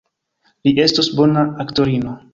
Vi estus bona aktorino.